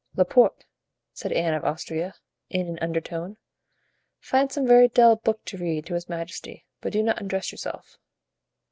"Laporte," said Anne of Austria, in an undertone, "find some very dull book to read to his majesty, but do not undress yourself."